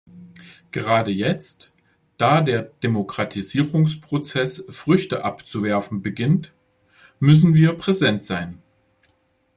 Gerade jetzt, da der Demokratisierungsprozess Früchte abzuwerfen beginnt, müssen wir präsent sein.